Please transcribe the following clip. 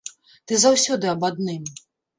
Ты заўсёды аб адным.